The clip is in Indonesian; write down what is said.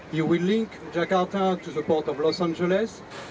kita akan menunjukkan jakarta ke port los angeles